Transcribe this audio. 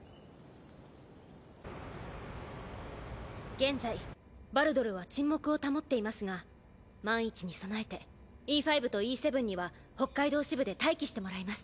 現在ヴァルドルは沈黙を保っていますが万一に備えてＥ５とＥ７には北海道支部で待機してもらいます。